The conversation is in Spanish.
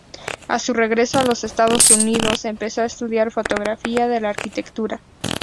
A su regreso a los Estados Unidos, empezó a estudiar fotografía de la arquitectura.